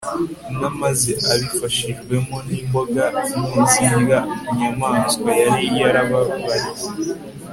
intama ze, abifashijwemo nimboga nto zirya inyamaswa yari yarababariye